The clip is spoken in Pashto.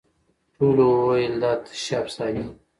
ټولو وویل دا تشي افسانې دي